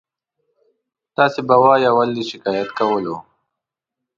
تاسې به وایئ اول دې شکایت کولو.